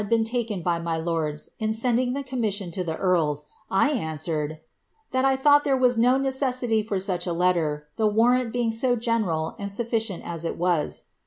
59 Wen taken by my lords in sending the commission to the earls, I an swered, ^ that I thought there was no necessity for such a letter, the wrant being so general and sufficient as it was.'